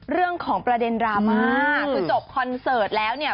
เรื่องของประเด็นดราม่าคือจบคอนเสิร์ตแล้วเนี่ย